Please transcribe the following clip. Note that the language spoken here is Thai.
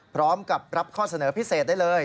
พร้อมกับรับข้อเสนอพิเศษได้เลย